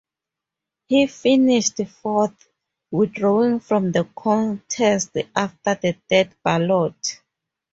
He finished fourth, withdrawing from the contest after the third ballot.